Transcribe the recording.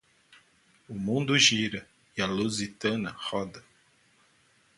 O mundo gira e a Luzitana roda.